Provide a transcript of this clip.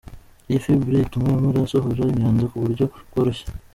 Iyi fibre ituma amara asohora imyanda ku buryo bworoshye.